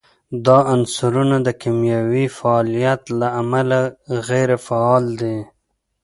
دا عنصرونه د کیمیاوي فعالیت له امله غیر فعال دي.